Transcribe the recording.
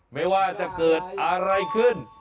ไม่ว่าจะเกิดอะไรขึ้น